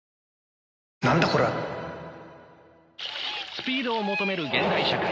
スピードを求める現代社会。